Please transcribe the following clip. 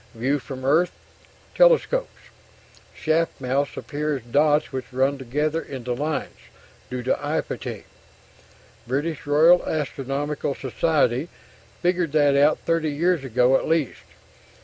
view from Earth telescopes, shaft mouths appear as dots which run together into lines due to eye fatigue ... British Royal Astronomical Society figured that out 30 years ago at least